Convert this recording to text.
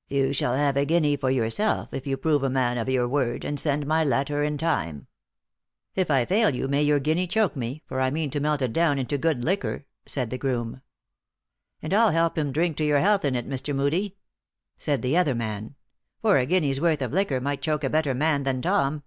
" You shall have a guinea for yourself, if you prove a man of your word, and send my letter in time." "If I fail you, may your guinea choke me, for I mean to melt it down into good liquor," said the groom. " And I ll help him to drink your health in it, Mr. Moodie," said the other man. " For a guinea s worth of liquor might choke a better man than Tom."